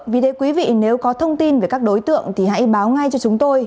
vì thế quý vị nếu có thông tin về các đối tượng thì hãy báo ngay cho chúng tôi